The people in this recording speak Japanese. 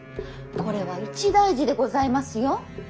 これは一大事でございますよ。